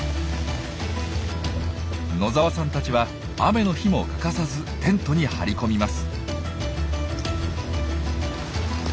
野澤さんたちは雨の日も欠かさずテントに張り込みます。